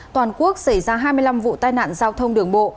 toàn quốc xảy ra hai mươi năm vụ tai nạn giao thông đường bộ